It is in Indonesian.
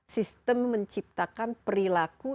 sistem menciptakan perilaku